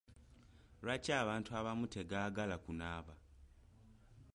Lwaki abantu abamu tegaagala kunaaba.